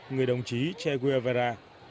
người đồng chí che guevara